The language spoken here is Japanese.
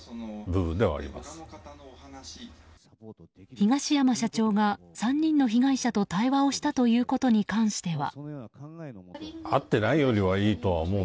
東山社長が３人の被害者と対話をしたということに関しては。